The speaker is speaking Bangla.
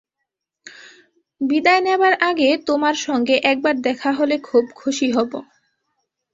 বিদায় নেবার আগে তোমার সঙ্গে একবার দেখা হলে খুব খুশী হব।